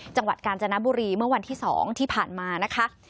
จังหวัดกาญจนบุรีเมื่อวันที่๒ที่ผ่านมานะคะ